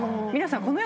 皆さん。